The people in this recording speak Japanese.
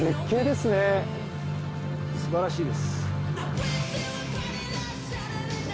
すばらしいです。